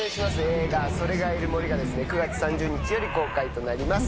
映画、それがいる森がですね、９月３０日より公開となります。